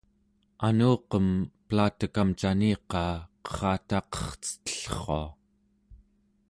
anuqem pelatekam caniqaa qerrataqercetellrua